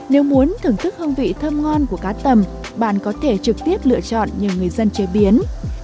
nếu muốn thưởng thức hương vị thơm ngon của cá tầm bạn có thể trực tiếp lựa chọn nhờ người dân chế biến